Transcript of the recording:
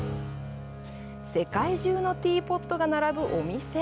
世界中のティーポットが並ぶお店。